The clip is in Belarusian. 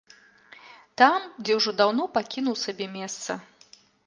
Там, дзе ўжо даўно пакінуў сабе месца.